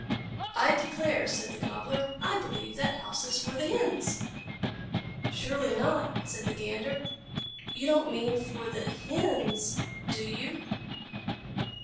"I declare," said the Gobbler, "I believe that house is for the Hens!" "Surely not," said the Gander. "You don't mean for the Hens, do you?"